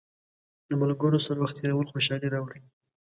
د ملګرو سره وخت تېرول خوشحالي راوړي.